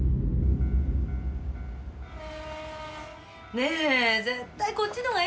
ねえ絶対こっちの方がいいって。